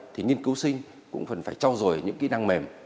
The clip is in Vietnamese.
thì nhân cứu sinh cũng phần phải trao dồi những kỹ năng mềm